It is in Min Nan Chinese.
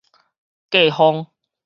過風